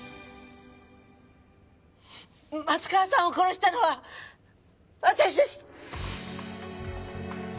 松川さんを殺したのは私です！